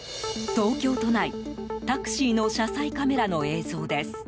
東京都内、タクシーの車載カメラの映像です。